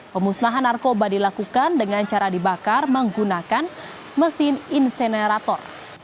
pemusnahan narkoba dilakukan dengan cara dibakar menggunakan mesin insenerator